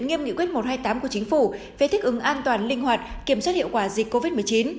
nghiêm nghị quyết một trăm hai mươi tám của chính phủ về thích ứng an toàn linh hoạt kiểm soát hiệu quả dịch covid một mươi chín